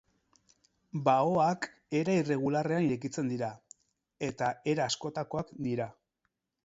Baoak era irregularrean irekitzen dira, eta era askotakoak dira.